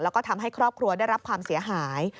แล้วก็ทำให้ครอบครัวได้รับความเสียหาย